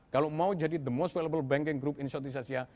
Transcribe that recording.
kalau mau jadi the most valuable banking group in southeast asia